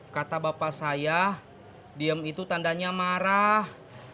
kata bapak saya diem itu tandanya marah